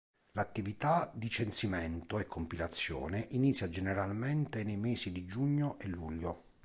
L'attività di censimento e compilazione inizia generalmente nei mesi di Giugno e Luglio.